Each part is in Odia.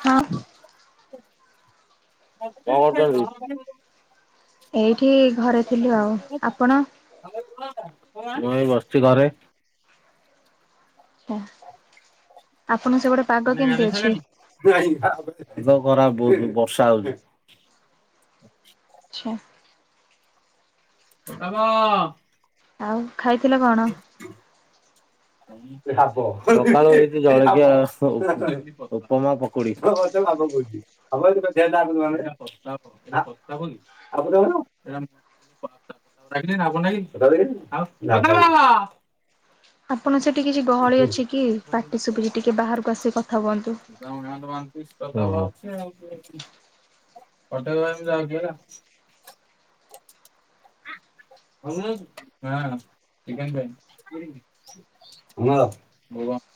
ହଁ। କଁ କରୁଛନ୍ତି? ଏଇଠି ଘରେ ଥିଲୁ ଆଉ ଆପଣ? ମୁଁ ଏଇ ବସିଚି ଘରେ। ଓ। ମାନେ ଗାଧେଇ ସାଇଲଣି। ଦିହ ଖରାପ ବୋହୁତ ବର୍ଷା ହଉଚି। ଆଚ୍ଛା। [unintelligible] ଆଉ ଖାଇଥିଲେ କଣ? [inaudible] ସକାଳୁ ହେଇଚି ଜଳଖିଆ ହଉ। ଉପମା, ପକୁଡି। [unintelligible] [inaudible] [inaudible] ଆପଣ ସେଟି କିଛି ଗହଳି ଅଛି କି ପାଟି ଶୁବୁଚି ଟିକେ ବାହାରକୁ ଆସିକି କଥା ହୁଅନ୍ତୁ? [inaudible] କଟକ ଭାଇ ମୁଁ ଯାଉଚି ହେଲା। [inaudible] ଭଲ ଲାଗୁଚି ମାଁ ଚିକେନ ଦେ। [unintelligible]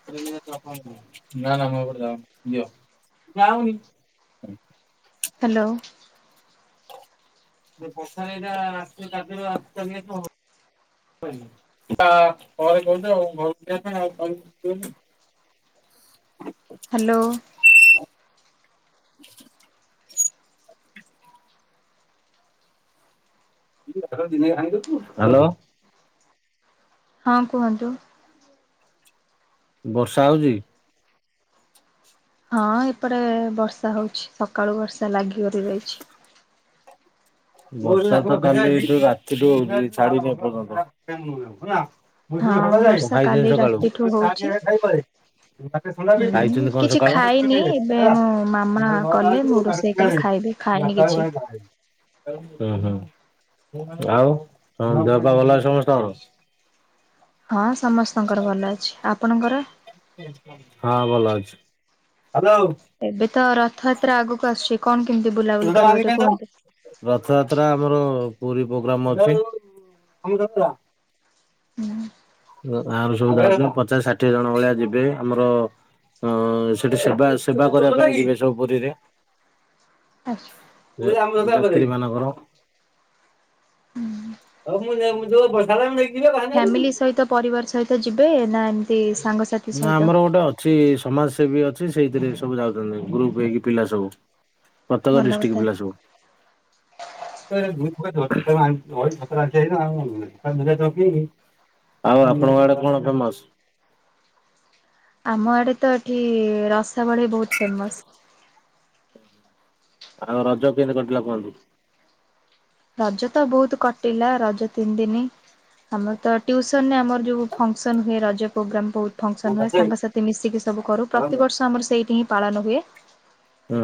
ନା ନା ହବନି ଯଉନି ଦିଅ ନା [unintelligible] ହାଲୋ। [inaudible] [inaudible] ହାଲୋ। [inaudible] [inaudible] ହାଲୋ। ହଁ କୁହନ୍ତୁ? ବର୍ଷା ହଉଚି? ହଁ ଏପଟେ ବର୍ଷା ହଉଚି। ସକାଳୁ ବର୍ଷା ଲାଗିିକରି ରହିଚି। ବର୍ଷା ତ କାଲି ଏଠୁ ରାତିଠୁ ହଉଚି ଛାଡିନି ଏପର୍ଯ୍ୟନ୍ତ। ହଁ କଣ ବର୍ଷା ଖାଇଥିଲେ କାଲି ସକାଳୁ? ରାତିଠୁ ହଉଛି। ହୁଁ ଖାଇଚନ୍ତି କଣ କିଛି ସକାଳୁ? ଖାଇନି ଏବେ ମୋ ମାମା କଲେ ମୁଁ ରୋଷେଇ କଲେ ଖାଇବି ଖାଇନି କିଛି। [inaudible] ହୁଁ ହୁଁ ଆଉ ଦେହପା ଭଲ ଅଛି ସମସ୍ତଙ୍କର? ହଁ ସମସ୍ ହଁ ଭଲ ଅଛି। ହାଲୋ। ଏବେ ତ ରଥଯାତ୍ରା ଆଗକୁ ଆସୁଚି କଣ କେମିତି ତୁ ବୁଲାବୁଲି ତ ମାନି କରିବ କାଇଁ ଟିକେ ଦବ। କୁହନ୍ତୁ? ରଥଯାତ୍ରା ଆମର ପୁରୀ ପ୍ରୋଗ୍ରାମ ଅଛି। ହୁଁ ଗାଁରୁ ସବୁ ଯିବେ ପଚାଶ ଷାଠିଏ ଜଣ ଭଳିଆ ଯିବେ। ଆମର ହଁ ସେଠି ସେବା ସେବା କରିବା ପାଇଁ ଥିବେ ସବୁ ପୁରୀରେ। ଆଚ୍ଛା। ଏମାନଙ୍କର। ଆଉ ମୁ ମୁ ବଶାଲା [unintelligible] ଫ୍ୟାମିଲି ସହିତ ପରିବାର ସହିତ ଯିବେ ନା ଏ ନା ଆମର ଗୋଟେ ଅ ଅଛି ସମାଜ ସେେବୀ ଅଛି ସେଇଥିରେ ସବୁ ଯାଉଛନ୍ତି ଗ୍ରୁପ ହେଇକି ପିଲା ସବୁ। ପ୍ରତ୍ୟେକ ଡିଷ୍ଟ୍ର୍ ପିଲ ସବୁ। ହ ମୁଁ ଖତ ଅ କି [unintelligible] ଆଉ ଆପଣଙ୍କ ଆଡେ କଣ ଫେମସ? ଆମ ଆଡେ ତ ଏଠି ରସା ବଳି ବହୁତ ଫେମସ। ଆଉ ରଜ କିମିତି କଟିଲା କୁହନ୍ତୁ? ରଜ ତ ବହୁତ କଟିଲା ରଜ ତିନଦିନି। ଆମର ତ ଟ୍ୟୁସନରେ ଆମର ଯୋଉ ଫଙ୍କସନ ହୁଏ ରଜ ପ୍ରୋଗ୍ରାମ ବହୁ ହୁଁ ଫଙ୍କସନ୍ ହୁଏ ସାଙ୍ଗସାଥି ମିଶିକି ସବୁ କରୁ ପ୍ରତିବର୍ଷ ଆମର ସେଇଠି ହିଁ ପାଳନ ହୁଏ।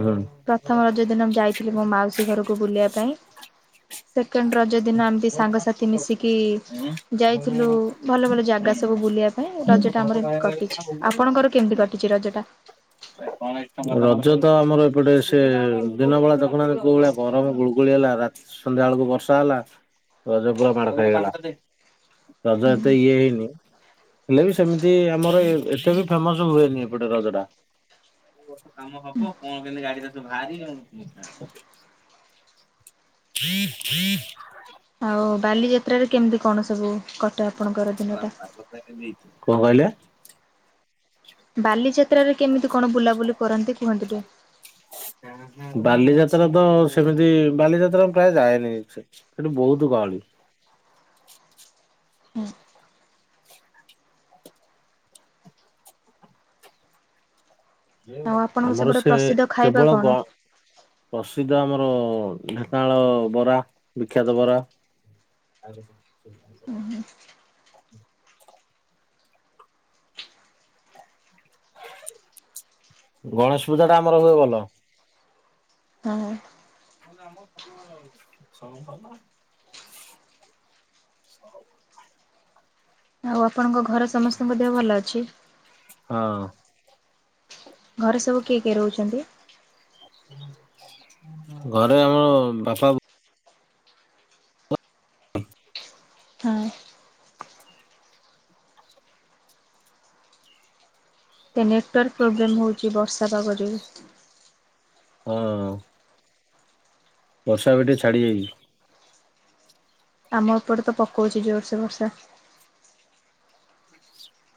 ହୁଁ। ପ୍ରଥମ ରଜ ଦିନ ମୁଁ ଯାଇଥିଲି ମୋ ମାଉସୀ ଘରକୁ ବୁଲିବା ପାଇଁ। ସେକେଣ୍ଡ ରଜ ଦିନ ଏମିତି ସାଙ୍ଗସାଥି ମିଶିକି ଯାଇଥିଲୁ ଭଲ ଭଲ ଜାଗା ସବୁ ବୁଲିବା ପାଇଁ ରଜ ଟା ଆମର ଏମିତି କଟିଛି। ଆପଣଙ୍କର କେମିତି କଟିଛି ରଜ ଟା? ରଜ ତ ଆମର ଏପଟେ ସେ ଦିନ ବେଳା ତଖଣା କୋଉ ଭଳିଆ ଗରମ ଗୁଳୁଗୁଳି ହେଲା ରାତି ସନ୍ଧ୍ୟା ବେଳକୁ ବର୍ଷା ହେଲା। ରଜ ପୁର ମାଡ ଖଇଗଲା। ରଜ ଏତେଇଏ ହେଇନି। ହେଲେ ବି ସେମିତି ଆମର ଏତେ ବି ଫେମସ ହୁଏନି ଏପଟେ ରଜଟା। ଏ ବର୍ଷ କାମ ହବ କଣ କେମିତି ଗାଡି ଭାରି [unintelligible] ଆଉ ବାଲିଯାତ୍ର ରେ କେମିତି କଣ ସବୁ କଟେ ଆପଣଙ୍କର ଦିନ ଟା? କଣ କହିଲେ? ବାଲିଯାତ୍ରାରେ କେମିତି କଣ ବୁଲାବୁଲି କରନ୍ତି କୁହନ୍ତି ଟିକେ? [unintelligible] ବାଲିଯାତ୍ରା ତ ସେମିତି ବାଲିଯାତ୍ରା ପ୍ରାୟ ଯାଏନି ସେଠି ବହୁତ ଗହଳି। ଆଉ ଆପଣଙ୍କ ଆମର ସେପଟେ ସେ ପ୍ରସିଦ୍ଧ ଖାଇବା କେବଳ କଣ? ଗ ପ୍ରସିଦ୍ଧ ଆମର ଢେଙ୍କାନାଳ ବରା ବିଖ୍ୟାତ ବରା। ଆଜ୍ଞା ଗଣେଶ ପୂଜା ଟା ଆମର ହୁଏ ଭଲ। ହଁ। ସବୁ ଭଲ [unintelligible] ଆଉ ଆପଣଙ୍କ ଘର ସମସ୍ତଙ୍କ ଦେହ ଭଲ ଅଛି? ହଁ। ଘରେ ସବୁ କିଏ କିଏ ରହୁଛନ୍ତି? ଘରେ ଆମର ବାପା ହଁ। ଏ ନେଟୱାର୍କ ପ୍ରୋବ୍ଲେମ୍ ହେଉଛି ବର୍ଷା ପାଗ ଯୋଗୁଁ। ଅଁ। ବର୍ଷା ଏବେ ଟିକେ ଛାଡ଼ିଯାଇଛି। ଆମ ଏପେଟ ତ ପକଉଛି ଜୋରସୋ ବର୍ଷା।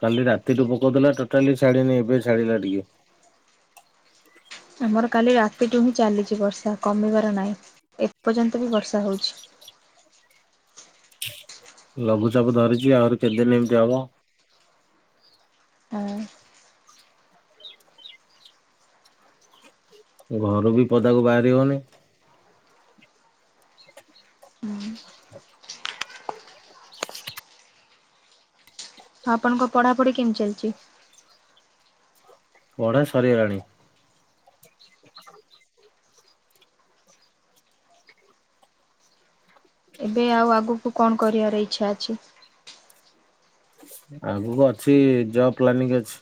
କାଲି ରାତିଠୁ ପକଉଥିଲା ଟୋଟାଲି ଛାଡିିନି ଏବେ ଛାଡ଼ିଲା ଟିକେ। ଆମର କାଲି ରାତିଠୁ ହିଁ ଚାଲିଛି ବର୍ଷା କମିବାର ନାହିଁ ଏପର୍ଯ୍ୟନ୍ତ ବି ବର୍ଷା ହଉଛି। ଲଘୁଚାପ ଧରିଛି ଆହୁରି କେତେଦିନ ଏମିତି ହବ? ହଁ। ଘରୁ ବି ପଦାକୁ ବାହାରି ହଉନି ହଁ ଆପଣଙ୍କ ପଢାପଢି କେମିତି ଚାଲିଛି? ପଢା ସରିଗଲାଣି। [inaudible] ଏବେ ଆଉ ଆଗକୁ କଣ କରିବାର ଇଚ୍ଛା ଅଛି? ଆଗକୁ ଅଛି ଜବ ପ୍ଲାନିଂ ଅଛି।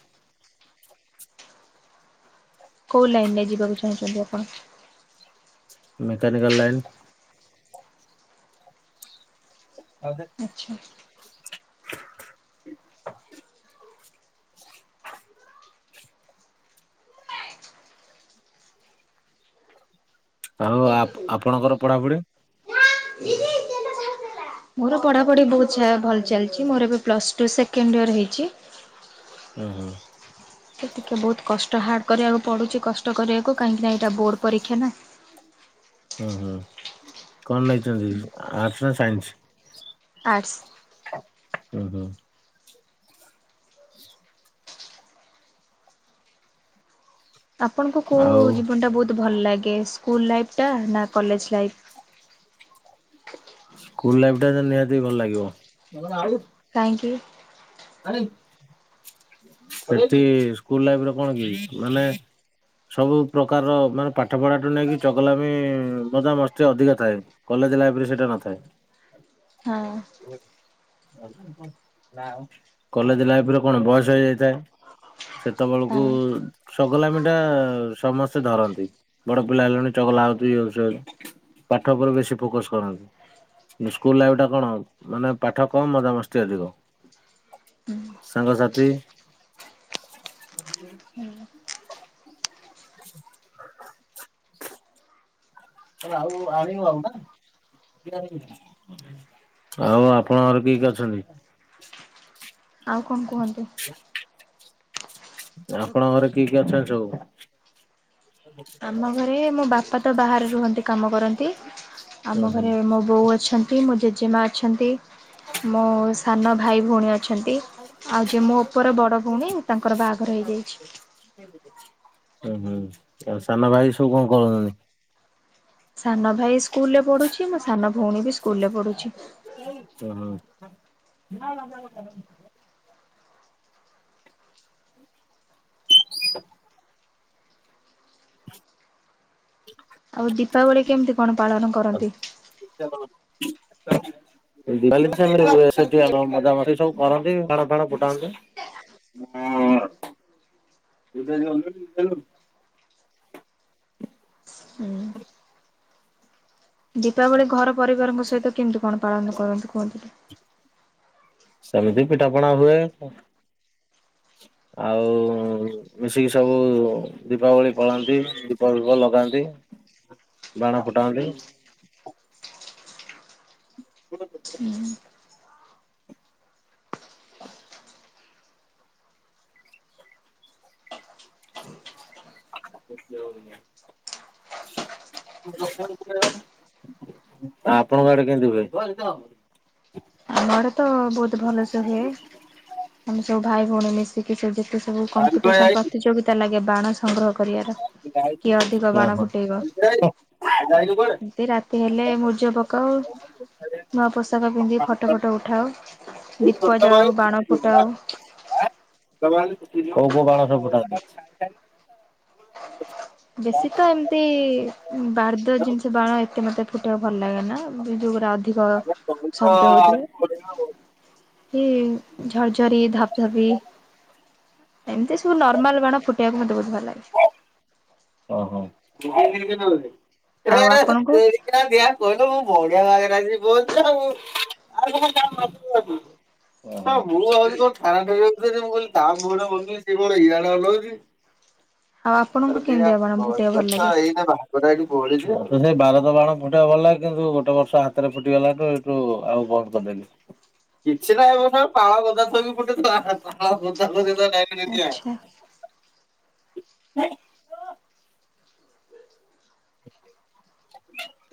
କୋଉ ଲାଇନ ରେ ଯିବାକୁ ଚାହୁଁଛନ୍ତି ଆପଣ? ମେକାନିକଲ ଲାଇନ୍ ଆ ହେ ଆଚ୍ଛା। ଆଉ ଆ ଆପଣଙ୍କର ପଢାପଢି ମୋର ପଢ଼ାପଢ଼ି ବହୁତ ଭଲ ଚାଲିଛି ମୋର ଏବେ ପ୍ଲସ୍ ଟୁ ସେକେଣ୍ଡ ଇୟର ହେଇଛି ଓ ହୋ। ସେତିକିେ ବହୁତ କଷ୍ଟ ହାର୍ଡ଼ କରିବାକୁ ପଡ଼ୁଛି କଷ୍ଟ କରିବାକୁ କାହିଁକିନା ଏଇଟା ବୋର୍ଡ଼ ପରୀକ୍ଷା ନା ଓୁଁ ହୁଁ କଣ ନେଇଛନ୍ତି ଆର୍ଟସ୍ ନା ସାଇନ୍ସ? ଆର୍ଟସ୍ ହୁ ହୋ। ଆପଣଙ୍କୁ କେଉ ଆଉ ଜୀବନଟା ବହୁତ ଭଲ ଲାଗେ ସ୍କୁଲ ଲାଇଫଟା ନା କଲେଜ ଲାଇଫ୍? ସ୍କୁଲ ଲାଇଫ ଟା ନିହାତି ଭଲ ଲାଗିବ ଆଉ କାହିଁକି? ସେଠି ସ୍କୁଲ ଲାଇଫ କଣ କି ମାନେ ସବୁ ପ୍ରକାରର ମାନେ ପାଠ ପଢାଠୁ ନେଇକି ଚଗଲାମି ମଜାମସ୍ତି ଅଧିକା ଥାଏ। କଲେଜ ଲାଇଫରେ ସେଇଟା ନଥାଏ। ହଁ [unintelligible] କଲେଜ ଲାଇଫରେ କଣ ବୟସ ହେଇଯାଇଥାଏ। ସେତେବେଳକୁ ହଁ ଚଗଲାମି ଟା ସମସ୍ତେ ଧରନ୍ତି ବଡ ପିଲା ହେଲଣି ଚଗଲା ହଉଛୁ ଇଏ ହଉଛୁ ସିଏ ହଉଛୁ ପାଠ ଉପରେ ବେଶୀ ଫୋକସ କରନ୍ତି। ସ୍କୁଲ ଲାଇଫ୍ ଟା କଣ? ମାନେ ପାଠ କମ ମଜାମସ୍ତି ଅଧିକ ସାଙ୍ଗସାଥି ହୁଁ। [inaudible] ଆଉ ଆଣିବ ଆଉ ନା ଆଉ ଆପଣଙ୍କର କିଏ କିଏ ଅଛନ୍ତି? ଆଉ କଣ କୁହନ୍ତୁ? ଆପଣଙ୍କ ଘରେ କିଏ କିଏ ଅଛନ୍ତି ସବୁ? ଆମ ଘରେ ମୋ ବାପା ତ ବାହାରେ ରୁହନ୍ତି କାମ କରନ୍ତି ହୁଁ ଆମ ହୁଁ ଘରେ ମୋ ବୋଉ ଅଛନ୍ତି ମୋ ଜେଜେମା ଅଛନ୍ତି ମୋ ସାନ ଭାଇ ଭଉଣୀ ଅଛନ୍ତି ଆଉ ଯିଏ ମୋ ଉପରେ ବଡ ଭଉଣୀ ତାଙ୍କର ବାହାଘର ହେଇଯାଇଛି। ହୁଁ ହୁଁ ଆଉ ସାନ ଭାଇ ସବୁ କଣ କରୁଛନ୍ତି? ସାନ ଭାଇ ସ୍କୁଲ ରେ ପଢୁଛି ମୋ ସାନ ଭଉଣୀ ବି ସ୍କୁଲ ରେ ପଢୁଛି ହ [inaudible] [inaudible] ଆଉ ଦୀପାବଳି କେମିତି କଣ ପାଳନ କରନ୍ତି? ଆ [inaudible] ଉଁ ଦିବାଲିରେ ତ ସିଏ ସେଠି ଇଏ ସେଠି ମ ମଜାମଜି ସବୁ କରନ୍ତି ବାଣ ଫାଣ ଫୁଟାନ୍ତି। ମୋର ଏବେ ଯାଉନାହାନ୍ତି କି ଖାଇଆକୁ। ହୁଁ। ଦୀପାବଳି ଘର ପରିବାରଙ୍କ ସହିତ କେମତି କଣ ପାଳନ କରନ୍ତି କୁହନ୍ତୁ ଟି ସେମିତି ପିଠା ପଣା ହୁଏ ଆଉ କଁ। ହ [inaudible] ଆଉ ଉଁ ମିଶିକି ସବୁ ଉଁ ଦୀପାବଳି ପାଳନ୍ତି ଦୀପ ଫିପ ଲଗାନ୍ତି। ଆଁ ବାଣ ଫୁଟାନ୍ତି। ହୁଁ ହୁଁ। [unintelligible] ଆଉ ଆପଣଙ୍କ ଆଡେ କେମିତି ହୁଏ [unintelligible] ଆମ ଆଡେ ତ ବୋହୁତୁ ଭଲ ସେ ହୁଏ ଆମେ ସବୁ ଭାଇ ଭଉଣୀ ମିଶ୍ ଟିକେ ସବୁ ଯେତେ ସବୁ କମ୍ପିଟିସନ୍ ପ୍ରତିଯୋଗିତା ଲାଗେ ବାଣ ସଂଗ୍ରହ କରିବାର କିଏ ଅଧିକ ବାଣ ଫୁଟେଇବ। ଆଜି ଯାଇନୁ କୁଆଡେ? ଇନ୍ତି ରାତି ହେଲେ ମୂରଜ ପକାଉ ନୂଆ ପୋଷାକ ପିନ୍ଧି ଫଟ ଫଟ ଏ ଉଠାଉ ଦୀପ ଜାଳୁ ବାଣ ଫୁଟାଉ। କୋଉ କୋଉ ବାଣ ସବୁ ଫୁଟାଅ? [inaudible] ବେଶୀ ତ ଏମ୍ ତେ ବାର୍ଦ୍ଦ ହଁ ଜିନିଷ ବାଣ ଏତେ ମତେ ଫୁଟେଇବାକୁ ଭଲ ଲାଗେ ନା ଯୋଉ ଗୁରା ଅ ଧିକ ମୁଁ ଭାବୁଛି କଣ ଶବ୍ଦ ଥାନା ହଉଥିବେ ଠାରୁ ସେ ଝର୍ଝରି ଧପ୍ ଧପି ଏମତି ସବୁ ନର୍ମାଲ ବାଣ ଫୁଟେଇଆକୁ ମତେ ବୋହୁତ ଭଲ ଲାଗେ। ଓହୋ! ଆଉ ଆପଣଙ୍କୁ [unintelligible] [unintelligible] [unintelligible] [unintelligible] ଆଉ ଆପଣଙ୍କୁ କେମତିଆ କଣ [unintelligible] [unintelligible] ନାଇଁ ବାରୁଦ ବାଣ ଫୁଟେଇବାକୁ ଗଲା କିନ୍ତୁ ଗୋଟେ ବର୍ଷ ହାତେରେ ଫୁଟିଗଲାଠୁ ତୁ ଆଉ କଣ କରିଦେଲିି କିଛି ନା ଏବେ ନା ଫାଳ ପାଳଗଦାରେ ଥୋଇକି ଫୁଟେଇ ଥି [unintelligible] ପାଳଗଦା ଆଚ୍ଛା। [unintelligible]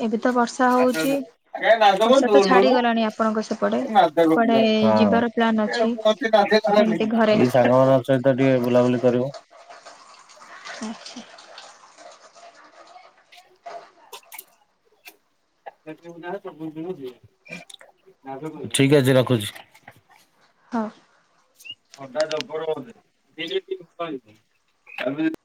ଏବେ ତ ବର୍ଷା ହଉଛି। ବର୍ଷା ତ ଛାଡିଗଲାଣି ଆପଣଙ୍କ ସେପଟେ କୁଆଡେ ଯିବାର ପ୍ଲାନ୍ ଅଛି। [unintelligible] ଏଇଠି ଏମିତି ଘରେ ସାଙ୍ଗମାନଙ୍କ ସହିତ ଟିକେ ବୁଲାବୁଲି କରିବ। ଆଚ୍ଛା। ହ [unintelligible] ଠିକ୍ ଅଛି ରଖୁଛି। ହଁ। ଥଣ୍ଡା ଜବର ବୋଧେ [unintelligible]